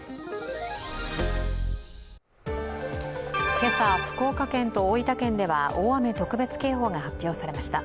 今朝、福岡県と大分県では大雨特別警報が発表されました。